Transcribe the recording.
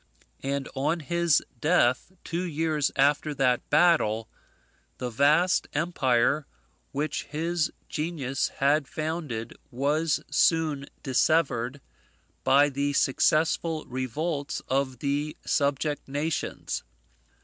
And on his death, two years after that battle, the vast empire which his genius had founded was soon dissevered by the successful revolts of the subject nations.